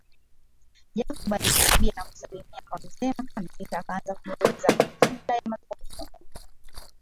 Jacob alikaribia na kusalimiana na mzee Makame kisha akaanza kumuuliza kabla ya mazungumzo